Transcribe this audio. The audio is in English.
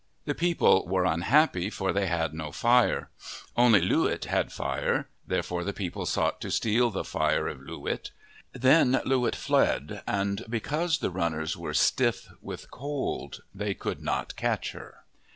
The people were unhappy for they had no fire. Only Loo wit had fire. Therefore the people sought to steal the fire of Loo wit. Then Loo wit fled and because the run ners were stiff with cold, they could not catch her.